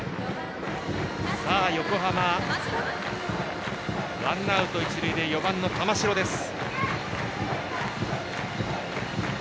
横浜、ワンアウト一塁でバッターは４番の玉城です。